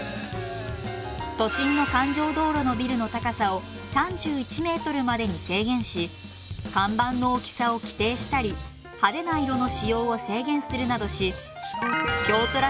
都心の環状道路のビルの高さを３１メートルまでに制限し看板の大きさを規定したり派手な色の使用を制限するなどし京都らしい